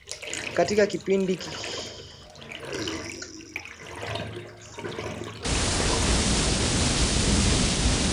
katika kipindi cha mwaka mmoja uliopita kwa lengo la kurejesha uhusiano wa kidiplomasia